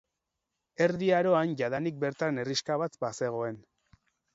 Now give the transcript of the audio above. Erdi Aroan jadanik bertan herrixka bat bazegoen.